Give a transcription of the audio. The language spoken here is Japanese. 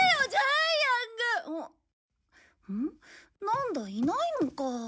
なんだいないのか。